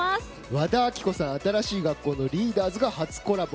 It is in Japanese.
和田アキ子さん新しい学校のリーダーズが初コラボ。